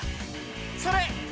それ！